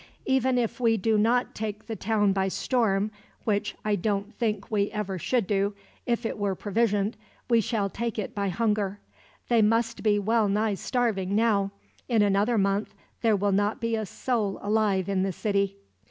Even if we do not take the town by storm, which I don't think we ever should do, if it were provisioned, we shall take it by hunger. They must be well nigh starving now. In another month there will not be a soul alive in the city.